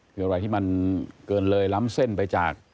คืออะไรที่มันเกินเลยล้ำเส้นไปจาก